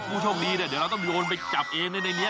พูดโชคดีเดี๋ยวเราต้องโดนไปจับเองในในนี้